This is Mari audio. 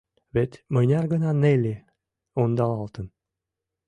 Вет мыняр гана Нелли ондалалтын!